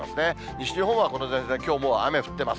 西日本はこの前線、きょうも雨降ってます。